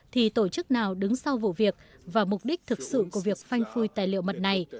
thì tổ chức nào đứng sau vụ việc và mục đích thực sự của việc phanh phui tài liệu mật này